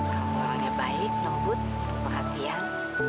kamu orangnya baik lembut perhatian